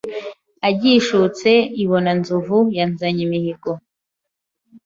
Agishutse i Bonanzovu ya Nzanyimihigo